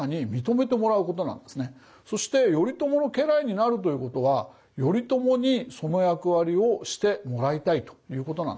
そして頼朝の家来になるということは頼朝にその役割をしてもらいたいということなんです。